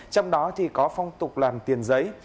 trong đó thì có phong tục làm tiền giấy